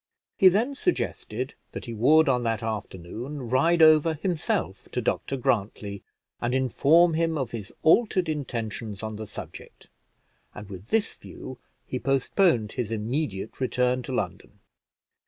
He then suggested that he would on that afternoon ride over himself to Dr Grantly, and inform him of his altered intentions on the subject, and with this view, he postponed his immediate return to London.